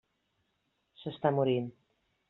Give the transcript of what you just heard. S'està morint.